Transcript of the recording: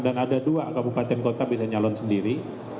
dan ada dua kabupaten kota bisa nyalon sendiri